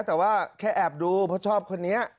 แต่ว่าแค่แอบดูเพราะชอบคนนี้